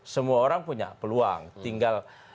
semua orang punya peluang tinggal